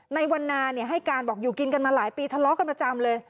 ในวันนาให้การบอกอยู่กินกันมาหลายปีทะเลาะกันประจำเลย